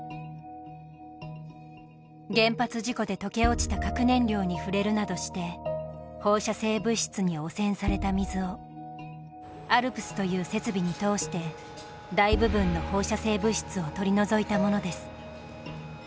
原発事故で溶け落ちた核燃料に触れるなどして放射性物質に汚染された水をＡＬＰＳという設備に通して大部分の放射性物質を取り除いたものです。